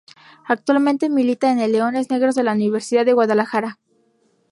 Actualmente milita en el Leones Negros de la Universidad de Guadalajara.